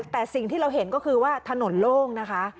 แต่สิ่งที่เราเห็นก็คือว่าถนนโล่งนะคะ